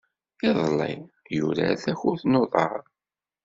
Iḍelli, yurar takurt n uḍar.